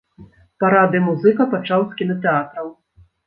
Парады музыка пачаў з кінатэатраў.